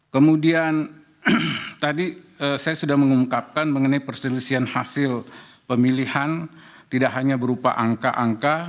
kemudian tadi saya sudah mengungkapkan mengenai perselisihan hasil pemilihan tidak hanya berupa angka angka